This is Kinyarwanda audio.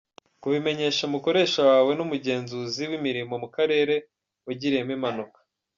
Kubimenyesha umukoresha wawe n’umugenzuzi w’imirimo mu karere wagiriyemo impanuka ,.